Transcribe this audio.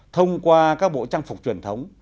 thông qua các bộ trang phục truyền thống